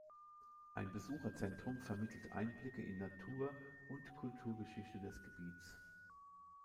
Ein Besucherzentrum vermittelt Einblicke in Natur und Kulturgeschichte des Gebiets.